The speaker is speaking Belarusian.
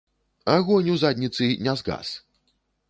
Агонь ў задніцы не згас.